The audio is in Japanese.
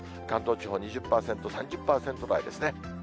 関東地方２０％、３０％台ですね。